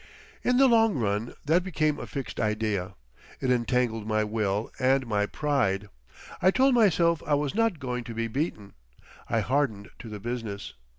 In the long run that became a fixed idea. It entangled my will and my pride; I told myself I was not going to be beaten. I hardened to the business.